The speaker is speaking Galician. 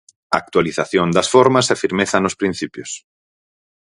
Actualización das formas e firmeza nos principios.